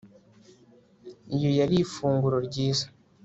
iyo yari ifunguro ryiza